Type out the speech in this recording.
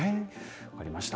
分かりました。